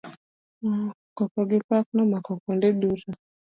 Koko gi pak nomako kuonde duto.